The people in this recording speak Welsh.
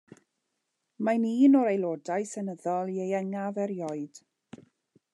Mae'n un o'r Aelodau Seneddol ieuengaf erioed.